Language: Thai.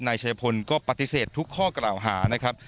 นายชัยพนธ์ก็ปฏิเสธทุกข้อกระจ่าหา